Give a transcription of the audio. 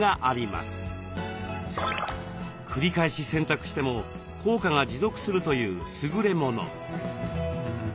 繰り返し洗濯しても効果が持続するというすぐれもの。